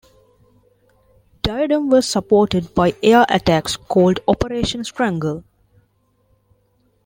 "Diadem" was supported by air attacks called Operation Strangle.